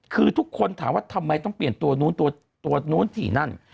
คือทุกคนถามว่าทำไมต้องเปลี่ยนตัวนู้นตัวนู้นถี่นั่น